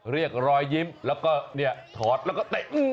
เรียกรอยยิ้มแล้วก็เนี่ยถอดแล้วก็เตะ